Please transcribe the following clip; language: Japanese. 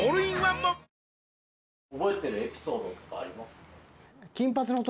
覚えてるエピソードとかあります？